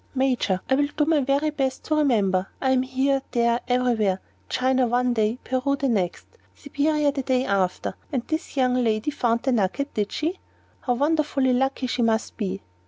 "Major, I will do my very best to remember. I am here, there, every where China one day, Peru the next, Siberia the day after. And this young lady found the nugget, did she? How wonderfully lucky she must be!"